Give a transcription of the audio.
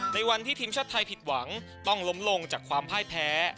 ในวันที่ทีมชาติไทยผิดหวังต้องล้มลงจากความพ่ายแพ้